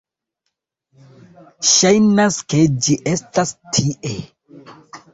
Ŝajnas, ke ĝi estas tie